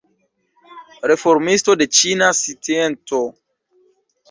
Reformisto de ĉina scienco.